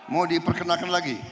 mau diperkenalkan lagi